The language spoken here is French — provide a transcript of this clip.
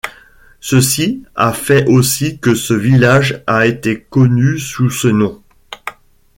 Ceci a fait aussi que ce village a été connu sous ce nom.